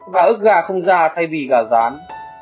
và ức gà không già thay vì gà rán